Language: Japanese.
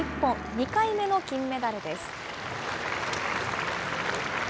２回目の金メダルです。